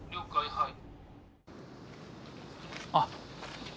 はい。